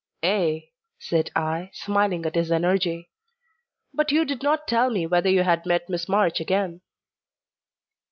"Ay," said I, smiling at his energy. "But you did not tell me whether you had met Miss March again."